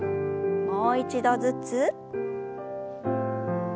もう一度ずつ。